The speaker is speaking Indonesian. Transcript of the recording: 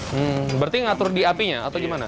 hmm berarti ngatur di apinya atau gimana